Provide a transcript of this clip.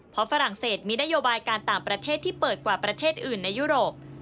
เพราะฝรั่งเศสมีนโยบายการต่างประเทศที่เปิดกว่าประเทศอื่นในยุโรป